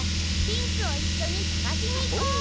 ピンクをいっしょにさがしにいこう！